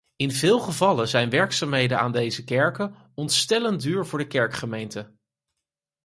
In veel gevallen zijn werkzaamheden aan deze kerken ontstellend duur voor de kerkgemeente.